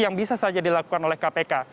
yang bisa saja dilakukan oleh kpk